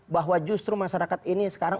bahwa justru masyarakat ini sekarang